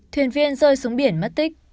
thuyền viên rơi xuống biển mất tích